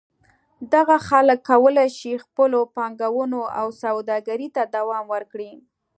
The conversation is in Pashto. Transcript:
دغه خلک کولای شي خپلو پانګونو او سوداګرۍ ته دوام ورکړي.